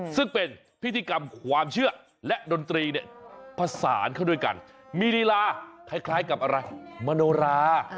ซึ่งเป็นพิธีกรรมความเชื่อและดนตรีเนี่ยผสานเขาด้วยกันมีลีลาคล้ายกับอะไรมโนรา